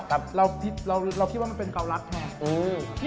แต่ว่าเราคิดว่ามันเป็นเกาลัดแหละ